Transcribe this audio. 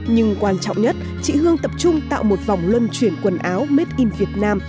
nhưng quan trọng nhất chị hương tập trung tạo một vòng luân chuyển quần áo made in việt nam